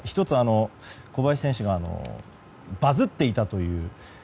１つ、小林選手がバズっていたという。